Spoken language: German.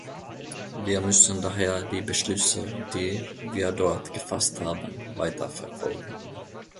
Wir müssen daher die Beschlüsse, die wir dort gefasst haben, weiter verfolgen.